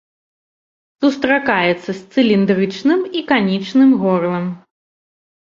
Сустракаюцца з цыліндрычным і канічным горлам.